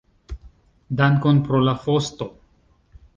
Dankon pro la fosto.